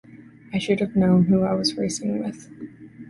I should have known who I was racing with.